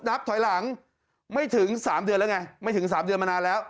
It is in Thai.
นับถอยหลังไม่ถึง๓เดือนแล้วไงไม่ถึง๓เดือนมานานแล้ว